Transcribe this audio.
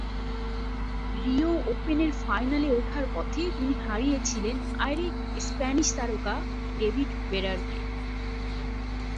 Rio ওপেনের ফাইনালে ওঠার পথে তিনি হারিয়েছিলেন আরেক স্প্যানিশ তারকা ডেভিড ফেরারকে।